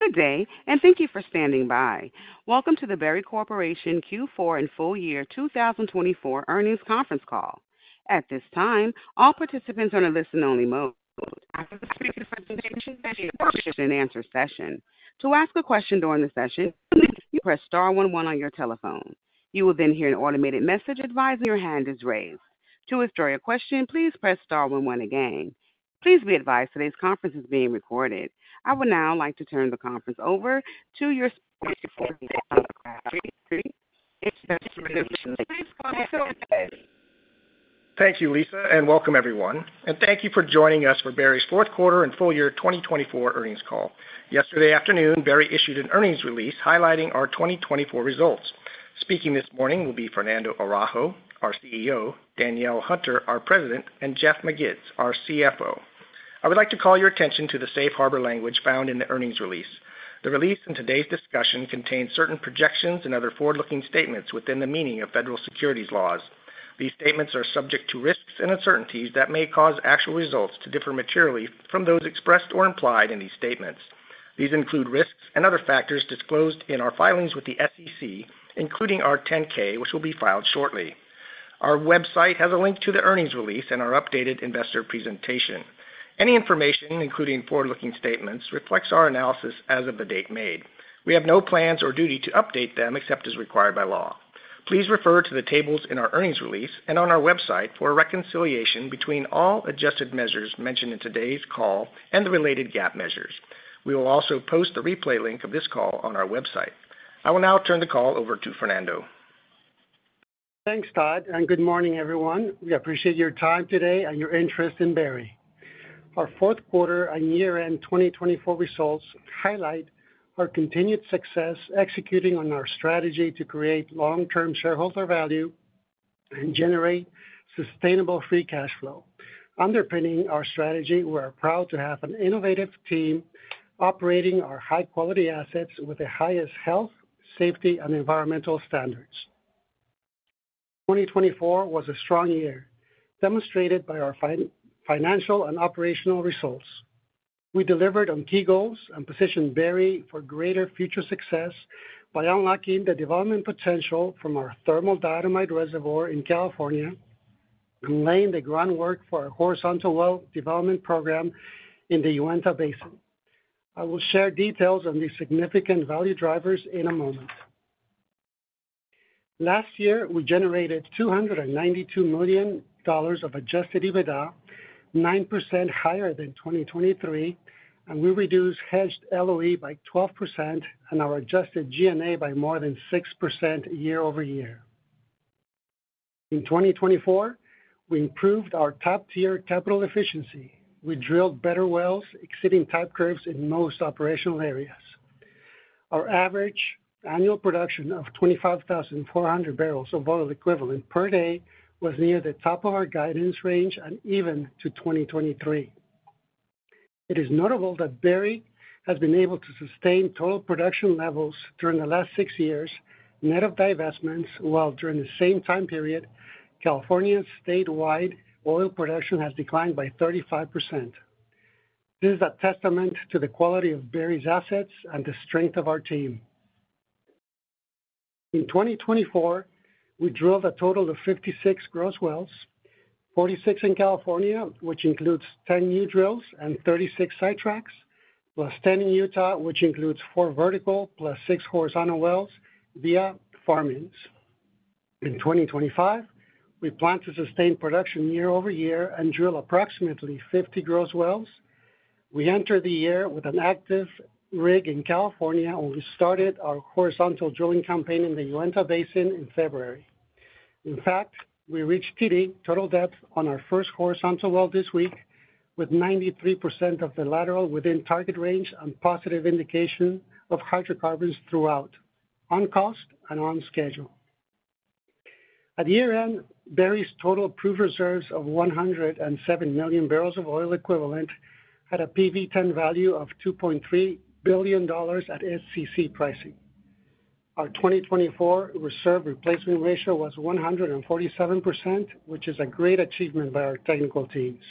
Good day, and thank you for standing by. Welcome to the Berry Corporation Q4 and full year 2024 earnings conference call. At this time, all participants are in a listen-only mode. After the screen presentation, please answer questions and answer sessions. To ask a question during the session, please press star 11 on your telephone. You will then hear an automated message advising your hand is raised. To withdraw your question, please press star 11 again. Please be advised today's conference is being recorded. I would now like to turn the conference over to your. Thank you, Lisa, and welcome everyone. Thank you for joining us for Berry's fourth quarter and full year 2024 earnings call. Yesterday afternoon, Berry issued an earnings release highlighting our 2024 results. Speaking this morning will be Fernando Araujo, our CEO; Danielle Hunter, our President; and Jeff Magids, our CFO. I would like to call your attention to the safe harbor language found in the earnings release. The release and today's discussion contain certain projections and other forward-looking statements within the meaning of federal securities laws. These statements are subject to risks and uncertainties that may cause actual results to differ materially from those expressed or implied in these statements. These include risks and other factors disclosed in our filings with the SEC, including our 10-K, which will be filed shortly. Our website has a link to the earnings release and our updated investor presentation. Any information, including forward-looking statements, reflects our analysis as of the date made. We have no plans or duty to update them except as required by law. Please refer to the tables in our earnings release and on our website for a reconciliation between all adjusted measures mentioned in today's call and the related GAAP measures. We will also post the replay link of this call on our website. I will now turn the call over to Fernando. Thanks, Todd, and good morning, everyone. We appreciate your time today and your interest in Berry. Our fourth quarter and year-end 2024 results highlight our continued success executing on our strategy to create long-term shareholder value and generate sustainable free cash flow. Underpinning our strategy, we are proud to have an innovative team operating our high-quality assets with the highest health, safety, and environmental standards. 2024 was a strong year, demonstrated by our financial and operational results. We delivered on key goals and positioned Berry for greater future success by unlocking the development potential from our thermal diatomite reservoir in California and laying the groundwork for our horizontal well development program in the Uinta Basin. I will share details on these significant value drivers in a moment. Last year, we generated $292 million of adjusted EBITDA, 9% higher than 2023, and we reduced hedged LOE by 12% and our adjusted G&A by more than 6% year over year. In 2024, we improved our top-tier capital efficiency. We drilled better wells, exceeding top curves in most operational areas. Our average annual production of 25,400 barrels of oil equivalent per day was near the top of our guidance range and even to 2023. It is notable that Berry has been able to sustain total production levels during the last six years net of divestments, while during the same time period, California's statewide oil production has declined by 35%. This is a testament to the quality of Berry's assets and the strength of our team. In 2024, we drilled a total of 56 gross wells, 46 in California, which includes 10 new drills and 36 sidetracks, plus 10 in Utah, which includes four vertical plus six horizontal wells via farm-ins. In 2025, we plan to sustain production year over year and drill approximately 50 gross wells. We entered the year with an active rig in California, and we started our horizontal drilling campaign in the Uinta Basin in February. In fact, we reached total depth on our first horizontal well this week, with 93% of the lateral within target range and positive indication of hydrocarbons throughout, on cost and on schedule. At year-end, Berry's total proved reserves of 107 million barrels of oil equivalent had a PV10 value of $2.3 billion at SEC pricing. Our 2024 reserve replacement ratio was 147%, which is a great achievement by our technical teams.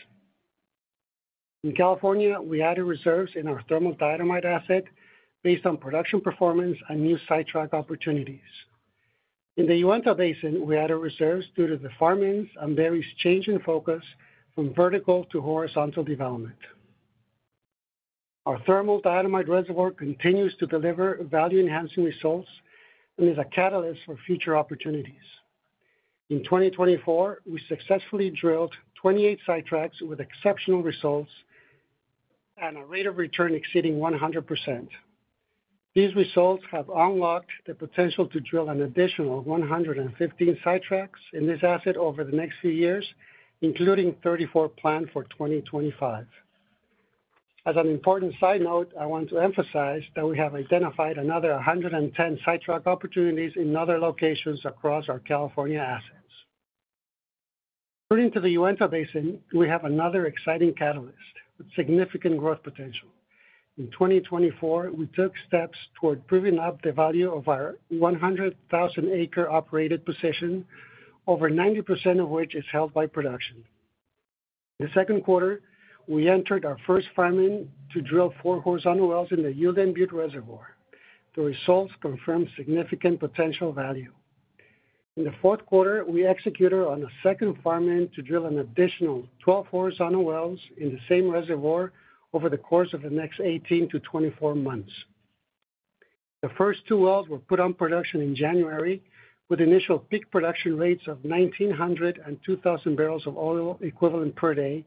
In California, we added reserves in our thermal diatomite asset based on production performance and new sidetrack opportunities. In the Uinta Basin, we added reserves due to the farm-ins and Berry's change in focus from vertical to horizontal development. Our thermal diatomite reservoir continues to deliver value-enhancing results and is a catalyst for future opportunities. In 2024, we successfully drilled 28 sidetracks with exceptional results and a rate of return exceeding 100%. These results have unlocked the potential to drill an additional 115 sidetracks in this asset over the next few years, including 34 planned for 2025. As an important side note, I want to emphasize that we have identified another 110 sidetrack opportunities in other locations across our California assets. Turning to the Uinta Basin, we have another exciting catalyst with significant growth potential. In 2024, we took steps toward proving up the value of our 100,000-acre operated position, over 90% of which is held by production. In the second quarter, we entered our first farm-in to drill four horizontal wells in the Uteland Butte reservoir. The results confirmed significant potential value. In the fourth quarter, we executed on a second farm-in to drill an additional 12 horizontal wells in the same reservoir over the course of the next 18 to 24 months. The first two wells were put on production in January, with initial peak production rates of 1,900 and 2,000 barrels of oil equivalent per day,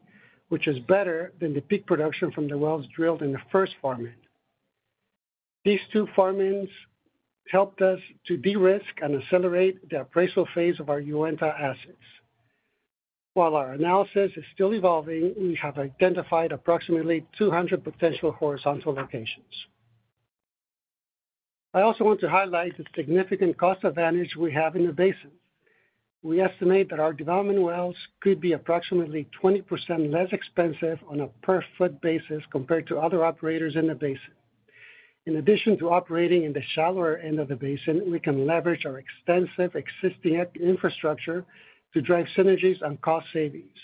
which is better than the peak production from the wells drilled in the first farm-in. These two farm-ins helped us to de-risk and accelerate the appraisal phase of our Uinta assets. While our analysis is still evolving, we have identified approximately 200 potential horizontal locations. I also want to highlight the significant cost advantage we have in the basin. We estimate that our development wells could be approximately 20% less expensive on a per-foot basis compared to other operators in the basin. In addition to operating in the shallower end of the basin, we can leverage our extensive existing infrastructure to drive synergies and cost savings.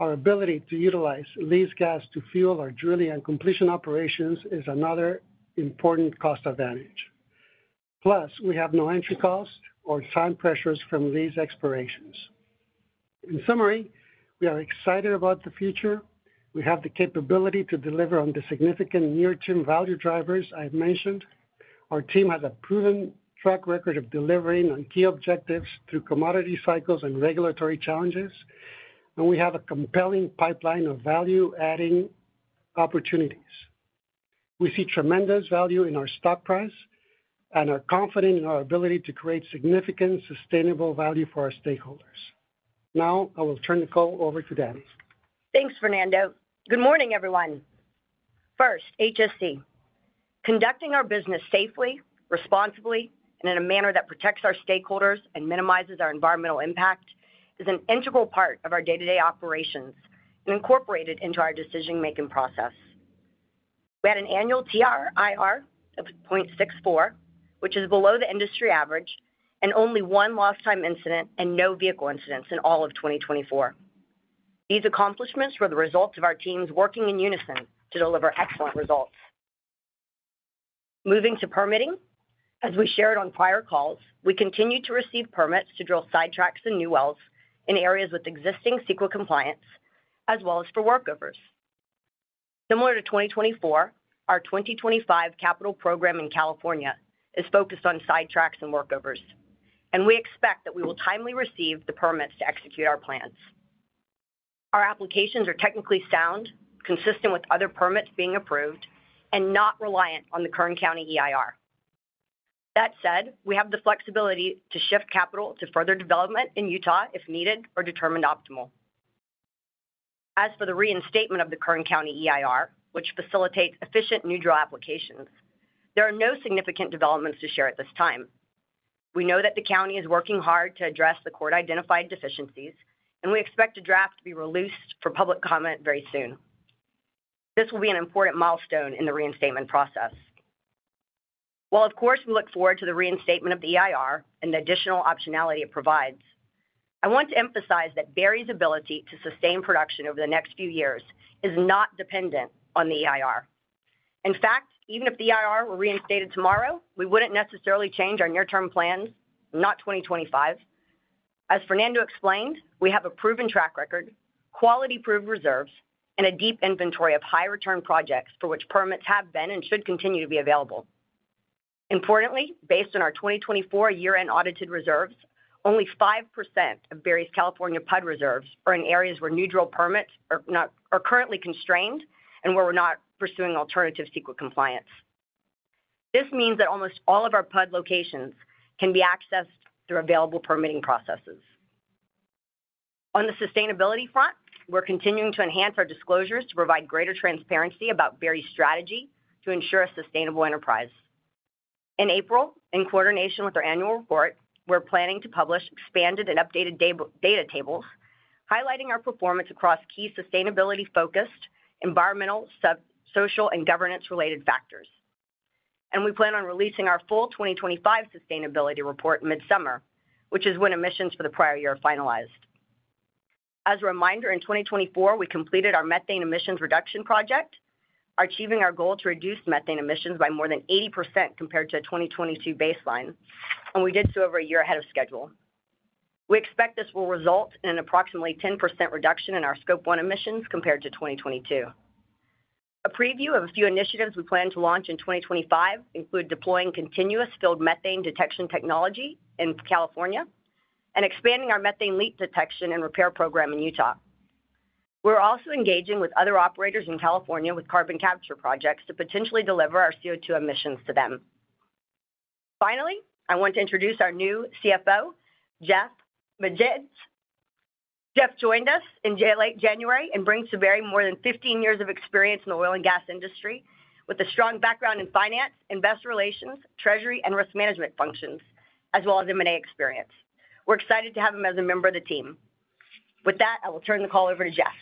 Our ability to utilize lease gas to fuel our drilling and completion operations is another important cost advantage. Plus, we have no entry cost or time pressures from lease expirations. In summary, we are excited about the future. We have the capability to deliver on the significant near-term value drivers I've mentioned. Our team has a proven track record of delivering on key objectives through commodity cycles and regulatory challenges, and we have a compelling pipeline of value-adding opportunities. We see tremendous value in our stock price and are confident in our ability to create significant sustainable value for our stakeholders. Now, I will turn the call over to Danielle. Thanks, Fernando. Good morning, everyone. First, HSE. Conducting our business safely, responsibly, and in a manner that protects our stakeholders and minimizes our environmental impact is an integral part of our day-to-day operations and incorporated into our decision-making process. We had an annual TRIR of 0.64, which is below the industry average, and only one lost time incident and no vehicle incidents in all of 2024. These accomplishments were the result of our teams working in unison to deliver excellent results. Moving to permitting, as we shared on prior calls, we continue to receive permits to drill sidetracks and new wells in areas with existing CEQA compliance, as well as for workovers. Similar to 2024, our 2025 capital program in California is focused on sidetracks and workovers, and we expect that we will timely receive the permits to execute our plans. Our applications are technically sound, consistent with other permits being approved, and not reliant on the Kern County EIR. That said, we have the flexibility to shift capital to further development in Utah if needed or determined optimal. As for the reinstatement of the Kern County EIR, which facilitates efficient new drill applications, there are no significant developments to share at this time. We know that the county is working hard to address the court-identified deficiencies, and we expect the draft to be released for public comment very soon. This will be an important milestone in the reinstatement process. While, of course, we look forward to the reinstatement of the EIR and the additional optionality it provides, I want to emphasize that Berry's ability to sustain production over the next few years is not dependent on the EIR. In fact, even if the EIR were reinstated tomorrow, we wouldn't necessarily change our near-term plans, not 2025. As Fernando explained, we have a proven track record, quality-proof reserves, and a deep inventory of high-return projects for which permits have been and should continue to be available. Importantly, based on our 2024 year-end audited reserves, only 5% of Berry's California PUD reserves are in areas where new drill permits are currently constrained and where we're not pursuing alternative CEQA compliance. This means that almost all of our PUD locations can be accessed through available permitting processes. On the sustainability front, we're continuing to enhance our disclosures to provide greater transparency about Berry's strategy to ensure a sustainable enterprise. In April, in coordination with our annual report, we're planning to publish expanded and updated data tables highlighting our performance across key sustainability-focused, environmental, social, and governance-related factors. We plan on releasing our full 2025 sustainability report mid-summer, which is when emissions for the prior year are finalized. As a reminder, in 2024, we completed our methane emissions reduction project, achieving our goal to reduce methane emissions by more than 80% compared to the 2022 baseline, and we did so over a year ahead of schedule. We expect this will result in an approximately 10% reduction in our Scope 1 emissions compared to 2022. A preview of a few initiatives we plan to launch in 2025 includes deploying continuous field methane detection technology in California and expanding our methane leak detection and repair program in Utah. We are also engaging with other operators in California with carbon capture projects to potentially deliver our CO2 emissions to them. Finally, I want to introduce our new CFO, Jeff Magids. Jeff joined us in late January and brings to Berry more than 15 years of experience in the oil and gas industry with a strong background in finance and investor relations, treasury, and risk management functions, as well as M&A experience. We're excited to have him as a member of the team. With that, I will turn the call over to Jeff.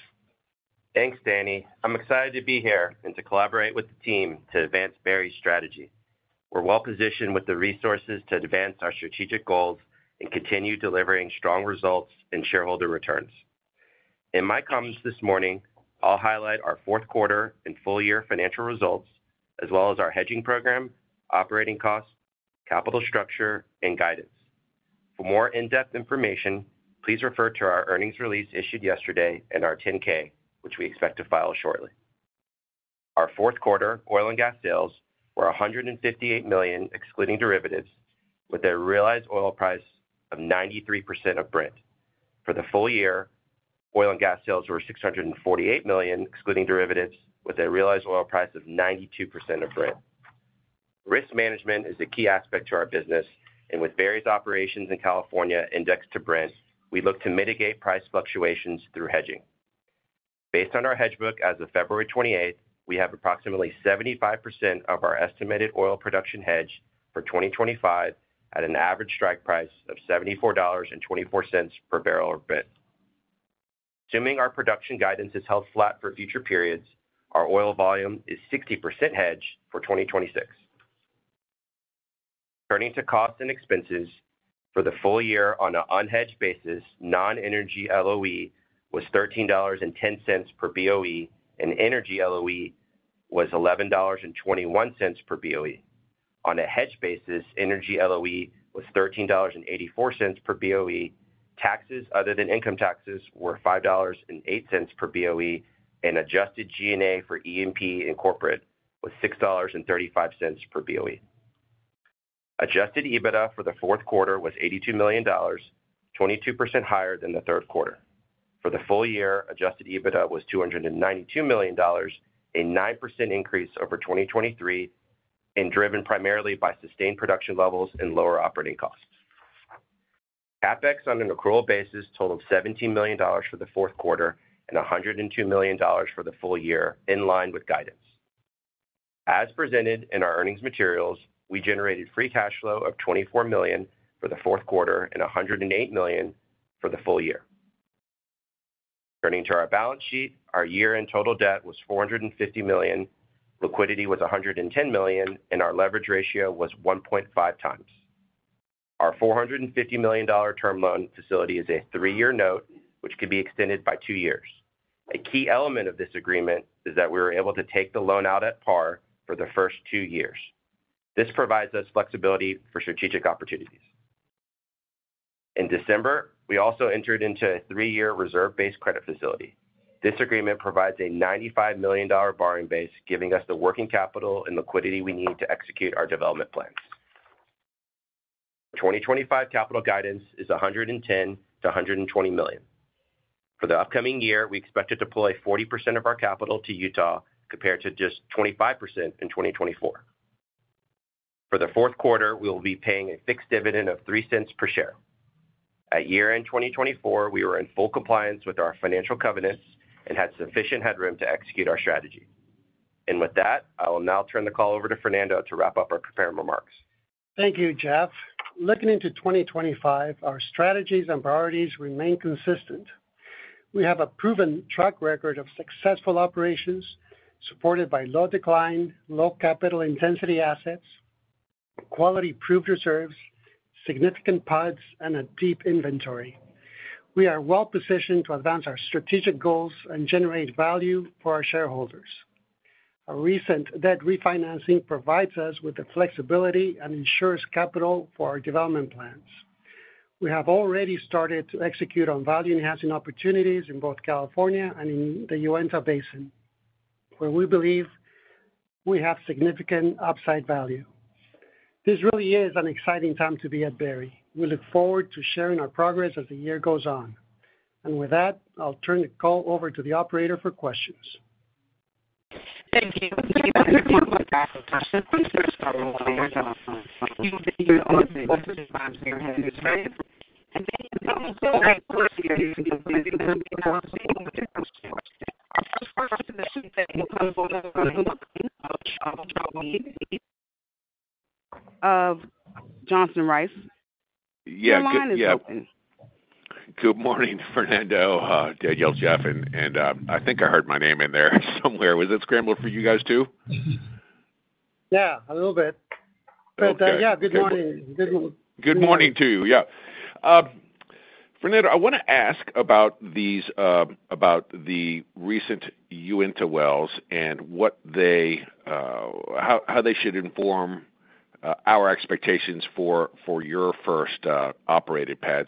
Thanks, Danny. I'm excited to be here and to collaborate with the team to advance Berry's strategy. We're well positioned with the resources to advance our strategic goals and continue delivering strong results and shareholder returns. In my comments this morning, I'll highlight our fourth quarter and full-year financial results, as well as our hedging program, operating costs, capital structure, and guidance. For more in-depth information, please refer to our earnings release issued yesterday and our 10-K, which we expect to file shortly. Our fourth quarter oil and gas sales were $158 million, excluding derivatives, with a realized oil price of 93% of Brent. For the full year, oil and gas sales were $648 million, excluding derivatives, with a realized oil price of 92% of Brent. Risk management is a key aspect to our business, and with Berry's operations in California indexed to Brent, we look to mitigate price fluctuations through hedging. Based on our hedge book as of February 28, we have approximately 75% of our estimated oil production hedged for 2025 at an average strike price of $74.24 per barrel of Brent. Assuming our production guidance is held flat for future periods, our oil volume is 60% hedged for 2026. Turning to costs and expenses, for the full year on an unhedged basis, non-energy LOE was $13.10 per BOE, and energy LOE was $11.21 per BOE. On a hedged basis, energy LOE was $13.84 per BOE. Taxes other than income taxes were $5.08 per BOE, and adjusted G&A for E&P and corporate was $6.35 per BOE. Adjusted EBITDA for the fourth quarter was $82 million, 22% higher than the third quarter. For the full year, adjusted EBITDA was $292 million, a 9% increase over 2023, and driven primarily by sustained production levels and lower operating costs. CapEx on an accrual basis totaled $17 million for the fourth quarter and $102 million for the full year, in line with guidance. As presented in our earnings materials, we generated free cash flow of $24 million for the fourth quarter and $108 million for the full year. Turning to our balance sheet, our year-end total debt was $450 million, liquidity was $110 million, and our leverage ratio was 1.5 times. Our $450 million term loan facility is a three-year note, which could be extended by two years. A key element of this agreement is that we were able to take the loan out at par for the first two years. This provides us flexibility for strategic opportunities. In December, we also entered into a three-year reserve-based credit facility. This agreement provides a $95 million borrowing base, giving us the working capital and liquidity we need to execute our development plans. 2025 capital guidance is $110-$120 million. For the upcoming year, we expect to deploy 40% of our capital to Utah compared to just 25% in 2024. For the fourth quarter, we will be paying a fixed dividend of $0.03 per share. At year-end 2024, we were in full compliance with our financial covenants and had sufficient headroom to execute our strategy. I will now turn the call over to Fernando to wrap up our prepared remarks. Thank you, Jeff. Looking into 2025, our strategies and priorities remain consistent. We have a proven track record of successful operations supported by low decline, low capital intensity assets, quality-proofed reserves, significant PUDs, and a deep inventory. We are well positioned to advance our strategic goals and generate value for our shareholders. Our recent debt refinancing provides us with the flexibility and insurance capital for our development plans. We have already started to execute on value-enhancing opportunities in both California and in the Uinta Basin, where we believe we have significant upside value. This really is an exciting time to be at Berry. We look forward to sharing our progress as the year goes on. I will turn the call over to the operator for questions. Thank you. Of Johnson Rice. Yeah, good morning, Jonathan. Good morning, Fernando, Danielle, Jeff, and I think I heard my name in there somewhere. Was it scrambled for you guys too? Yeah, a little bit. Yeah, good morning. Good morning to you. Yeah. Fernando, I want to ask about the recent Uinta wells and how they should inform our expectations for your first operated pad.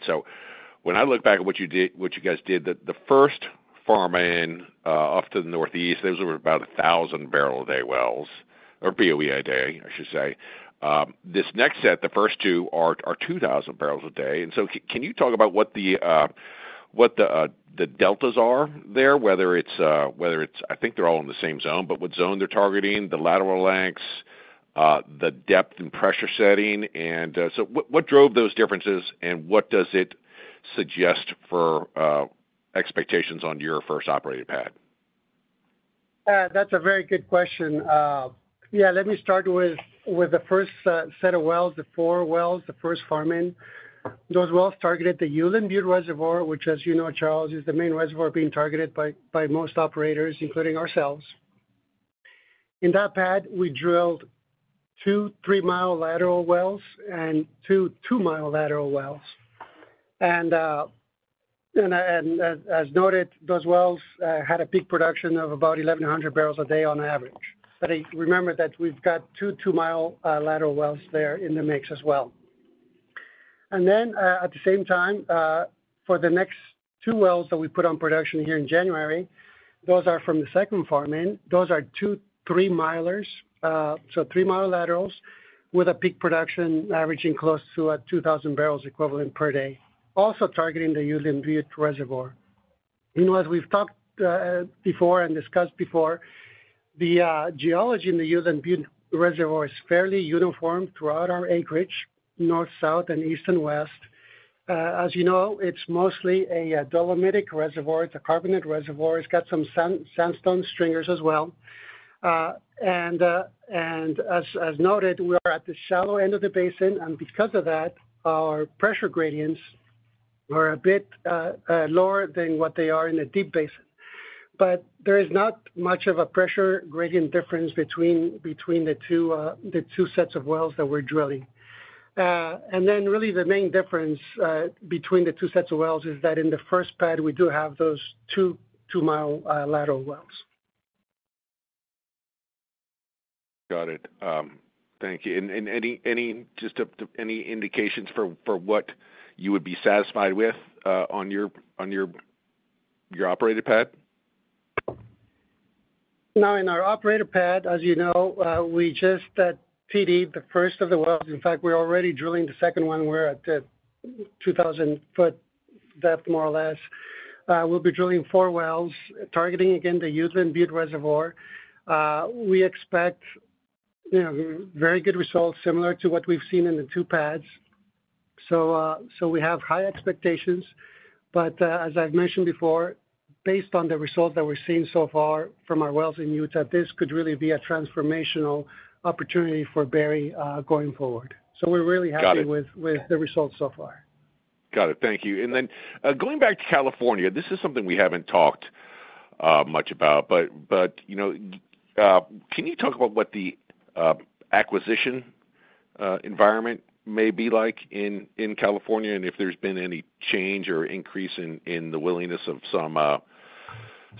When I look back at what you guys did, the first farm-in off to the northeast, those were about 1,000 barrels a day wells, or BOE a day, I should say. This next set, the first two, are 2,000 barrels a day. Can you talk about what the deltas are there, whether it's—I think they're all in the same zone, but what zone they're targeting, the lateral lengths, the depth and pressure setting? What drove those differences, and what does it suggest for expectations on your first operated pad? That's a very good question. Yeah, let me start with the first set of wells, the four wells, the first farm-in. Those wells targeted the Uteland Butte reservoir, which, as you know, Charles, is the main reservoir being targeted by most operators, including ourselves. In that pad, we drilled two three-mile lateral wells and two two-mile lateral wells. As noted, those wells had a peak production of about 1,100 barrels a day on average. Remember that we've got two two-mile lateral wells there in the mix as well. At the same time, for the next two wells that we put on production here in January, those are from the second farm-in. Those are two three-milers, so three-mile laterals with a peak production averaging close to 2,000 barrels equivalent per day, also targeting the Uteland Butte reservoir. As we've talked before and discussed before, the geology in the Uteland Butte reservoir is fairly uniform throughout our acreage, north, south, east, and west. As you know, it's mostly a dolomitic reservoir. It's a carbonate reservoir. It's got some sandstone stringers as well. As noted, we are at the shallow end of the basin, and because of that, our pressure gradients are a bit lower than what they are in the deep basin. There is not much of a pressure gradient difference between the two sets of wells that we're drilling. Really the main difference between the two sets of wells is that in the first pad, we do have those two two-mile lateral wells. Got it. Thank you. Any indications for what you would be satisfied with on your operated pad? Now, in our operated pad, as you know, we just P&A'ed the first of the wells. In fact, we're already drilling the second one. We're at 2,000 ft depth, more or less. We'll be drilling four wells, targeting again the Uteland Butte reservoir. We expect very good results, similar to what we've seen in the two pads. We have high expectations. As I've mentioned before, based on the results that we're seeing so far from our wells in Utah, this could really be a transformational opportunity for Berry going forward. We're really happy with the results so far. Got it. Thank you. Going back to California, this is something we haven't talked much about, but can you talk about what the acquisition environment may be like in California and if there's been any change or increase in the willingness of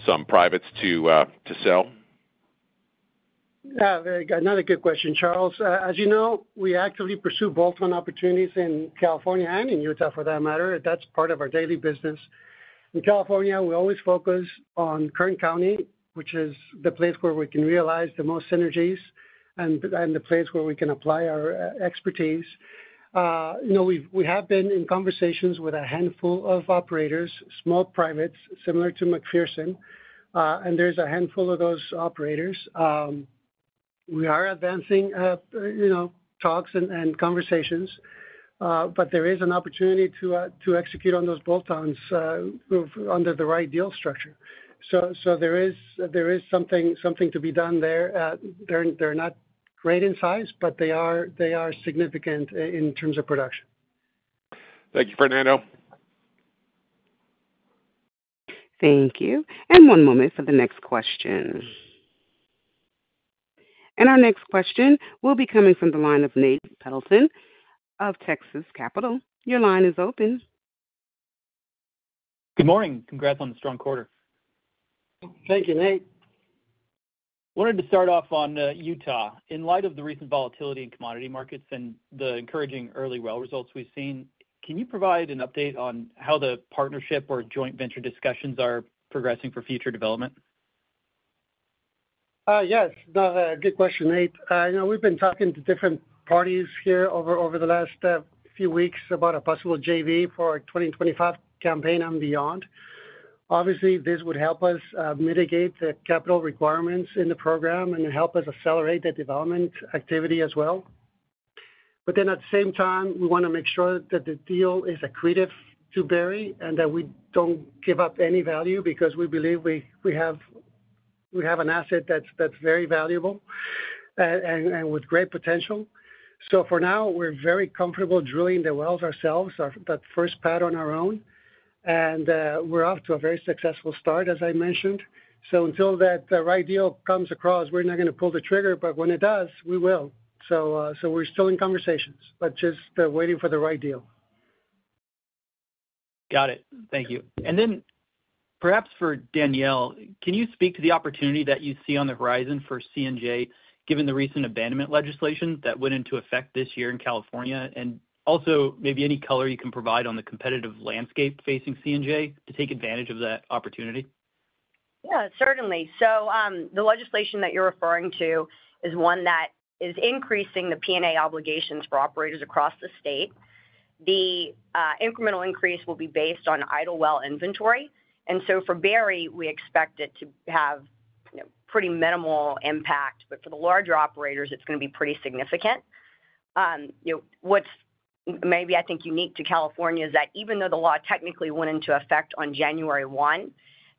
some privates to sell? Yeah, another good question, Charles. As you know, we actively pursue both on opportunities in California and in Utah for that matter. That's part of our daily business. In California, we always focus on Kern County, which is the place where we can realize the most synergies and the place where we can apply our expertise. We have been in conversations with a handful of operators, small privates, similar to Macpherson, and there's a handful of those operators. We are advancing talks and conversations, but there is an opportunity to execute on those bolt-ons under the right deal structure. There is something to be done there. They're not great in size, but they are significant in terms of production. Thank you, Fernando. Thank you. One moment for the next question. Our next question will be coming from the line of Nate Pendleton of Texas Capital. Your line is open. Good morning. Congrats on the strong quarter. Thank you, Nate. Wanted to start off on Utah. In light of the recent volatility in commodity markets and the encouraging early well results we've seen, can you provide an update on how the partnership or joint venture discussions are progressing for future development? Yes. No, good question, Nate. We've been talking to different parties here over the last few weeks about a possible JV for our 2025 campaign and beyond. Obviously, this would help us mitigate the capital requirements in the program and help us accelerate the development activity as well. At the same time, we want to make sure that the deal is accretive to Berry and that we don't give up any value because we believe we have an asset that's very valuable and with great potential. For now, we're very comfortable drilling the wells ourselves, that first pad on our own, and we're off to a very successful start, as I mentioned. Until that right deal comes across, we're not going to pull the trigger, but when it does, we will. We're still in conversations, just waiting for the right deal. Got it. Thank you. Perhaps for Danielle, can you speak to the opportunity that you see on the horizon for C&J given the recent abandonment legislation that went into effect this year in California and also maybe any color you can provide on the competitive landscape facing C&J to take advantage of that opportunity? Yeah, certainly. The legislation that you're referring to is one that is increasing the P&A obligations for operators across the state. The incremental increase will be based on idle well inventory. For Berry, we expect it to have pretty minimal impact, but for the larger operators, it's going to be pretty significant. What's maybe, I think, unique to California is that even though the law technically went into effect on January 1,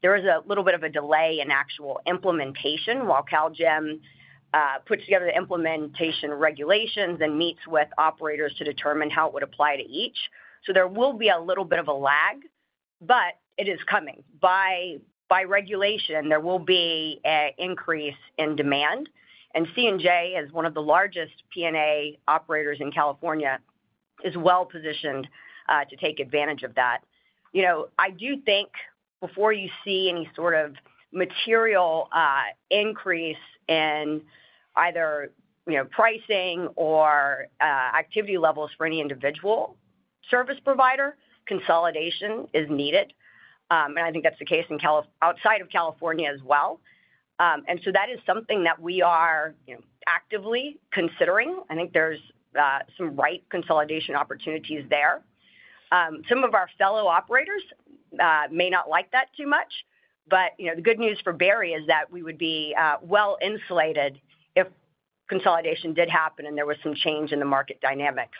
there is a little bit of a delay in actual implementation while CalGEM puts together the implementation regulations and meets with operators to determine how it would apply to each. There will be a little bit of a lag, but it is coming. By regulation, there will be an increase in demand. C&J, as one of the largest P&A operators in California, is well positioned to take advantage of that. I do think before you see any sort of material increase in either pricing or activity levels for any individual service provider, consolidation is needed. I think that is the case outside of California as well. That is something that we are actively considering. I think there are some right consolidation opportunities there. Some of our fellow operators may not like that too much, but the good news for Berry is that we would be well insulated if consolidation did happen and there was some change in the market dynamics.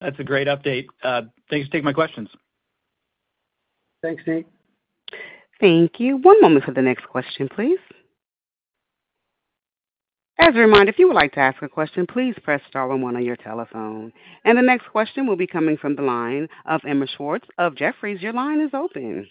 That's a great update. Thanks for taking my questions. Thanks, Nate. Thank you. One moment for the next question, please. As a reminder, if you would like to ask a question, please press star one on your telephone. The next question will be coming from the line of Emma Schwartz of Jefferies. Your line is open.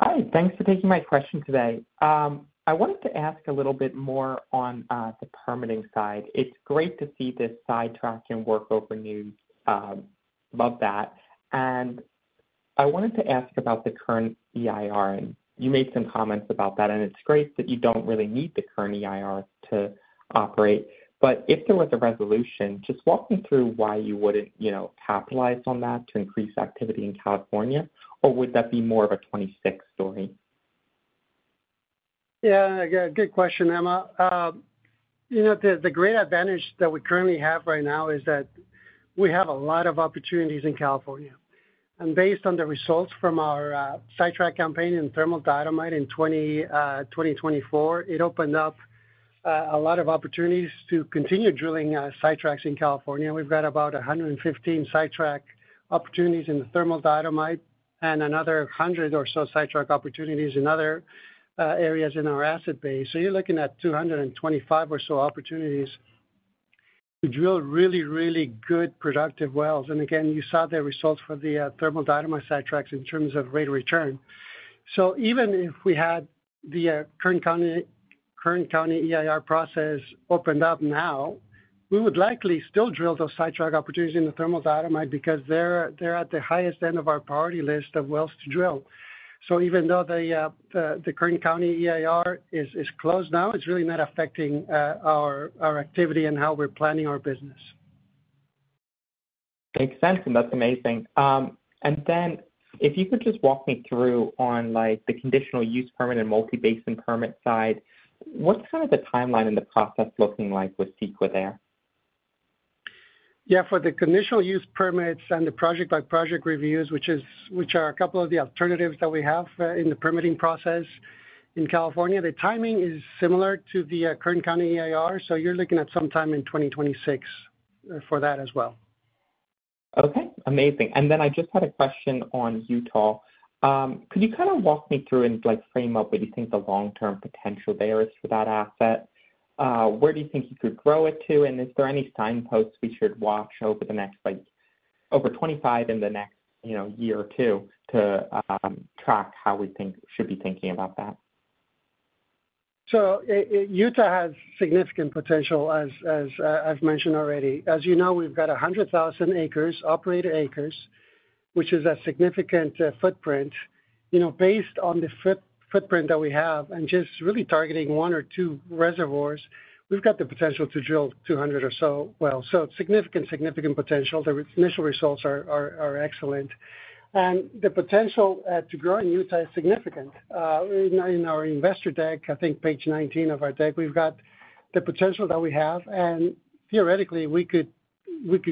Hi. Thanks for taking my question today. I wanted to ask a little bit more on the permitting side. It's great to see this sidetrack and work over news above that. I wanted to ask about the Kern EIR. You made some comments about that, and it's great that you don't really need the Kern EIR to operate. If there was a resolution, just walk me through why you wouldn't capitalize on that to increase activity in California, or would that be more of a 2026 story? Yeah, good question, Emma. The great advantage that we currently have right now is that we have a lot of opportunities in California. Based on the results from our sidetrack campaign in thermal diatomite in 2024, it opened up a lot of opportunities to continue drilling sidetracks in California. We've got about 115 sidetrack opportunities in the thermal diatomite and another 100 or so sidetrack opportunities in other areas in our asset base. You're looking at 225 or so opportunities to drill really, really good productive wells. You saw the results for the thermal diatomite sidetracks in terms of rate return. Even if we had the Kern County EIR process opened up now, we would likely still drill those sidetrack opportunities in the thermal diatomite because they're at the highest end of our priority list of wells to drill. Even though the Kern County EIR is closed now, it's really not affecting our activity and how we're planning our business. Thanks, Fernando. That's amazing. If you could just walk me through on the conditional use permit and multibasin permit side, what's kind of the timeline and the process looking like with CEQA compliance there? Yeah, for the conditional use permits and the project-by-project reviews, which are a couple of the alternatives that we have in the permitting process in California, the timing is similar to the Kern County EIR. You're looking at sometime in 2026 for that as well. Okay. Amazing. I just had a question on Utah. Could you kind of walk me through and frame up what you think the long-term potential there is for that asset? Where do you think you could grow it to? Is there any signposts we should watch over the next over 2025 in the next year or two to track how we should be thinking about that? Utah has significant potential, as I've mentioned already. As you know, we've got 100,000 operator acres, which is a significant footprint. Based on the footprint that we have and just really targeting one or two reservoirs, we've got the potential to drill 200 or so wells. Significant, significant potential. The initial results are excellent. The potential to grow in Utah is significant. In our investor deck, I think page 19 of our deck, we've got the potential that we have. Theoretically, we could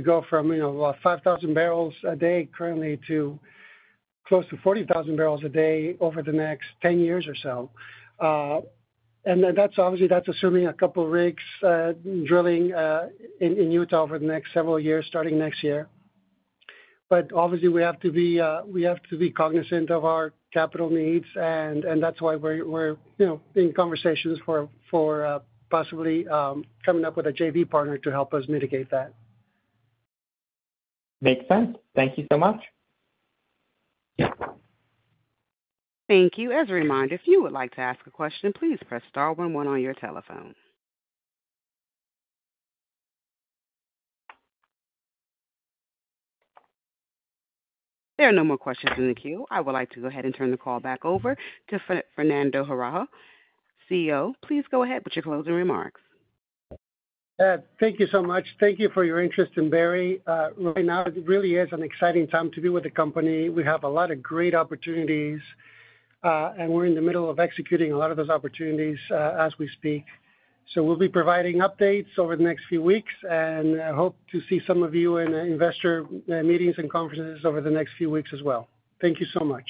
go from about 5,000 barrels a day currently to close to 40,000 barrels a day over the next 10 years or so. Obviously, that's assuming a couple of rigs drilling in Utah over the next several years starting next year. Obviously, we have to be cognizant of our capital needs, and that's why we're in conversations for possibly coming up with a JV partner to help us mitigate that. Makes sense. Thank you so much. Thank you. As a reminder, if you would like to ask a question, please press star one-one on your telephone. There are no more questions in the queue. I would like to go ahead and turn the call back over to Fernando Araujo, CEO. Please go ahead with your closing remarks. Thank you so much. Thank you for your interest in Berry. Right now, it really is an exciting time to be with the company. We have a lot of great opportunities, and we're in the middle of executing a lot of those opportunities as we speak. We will be providing updates over the next few weeks and hope to see some of you in investor meetings and conferences over the next few weeks as well. Thank you so much.